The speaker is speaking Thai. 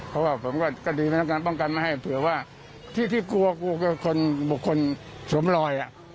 เพราะว่าผมก็ดีพนักงานป้องกันไม่ให้เผื่อว่าที่ที่กลัวกลัวคนบุคคลสวมรอย